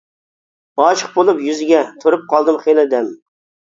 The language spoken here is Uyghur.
ئاشىق بولۇپ يۈزىگە، تۇرۇپ قالدىم خېلى دەم.